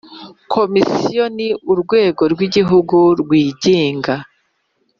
Komisiyo ni urwego rw Igihugu rwigenga